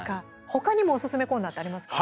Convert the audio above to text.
他にもおすすめコーナーってありますか。